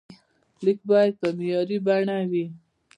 لیک باید په معیاري بڼه وي.